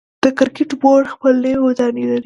د کرکټ بورډ خپل نوی ودانۍ لري.